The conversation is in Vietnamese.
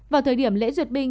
vào thời điểm lễ diệt binh